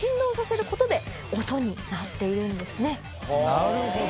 なるほど。